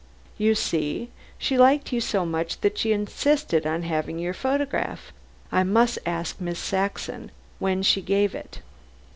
"You see. She liked you so much that she insisted on having your photograph. I must ask Miss Saxon when she gave it.